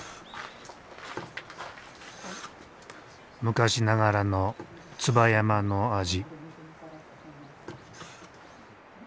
昔ながらの椿山の味。